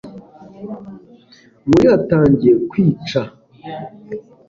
muri hatangiye kwica